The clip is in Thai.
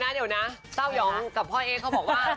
เดี๋ยวนะเต้ายองกับพ่อเอ๊เขาบอกว่า